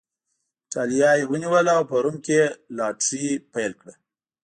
اېټالیا یې ونیوله او په روم کې یې لوټري پیل کړه